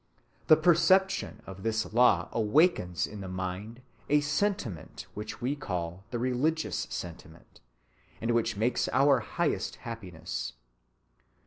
The perception of this law awakens in the mind a sentiment which we call the religious sentiment, and which makes our highest happiness.